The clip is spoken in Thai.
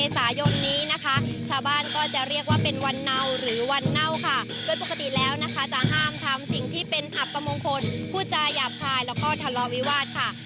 สดจากวัดศาสิงห์โมรัมมหาวิหาร